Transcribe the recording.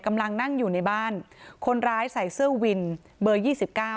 กำลังนั่งอยู่ในบ้านคนร้ายใส่เสื้อวินเบอร์ยี่สิบเก้า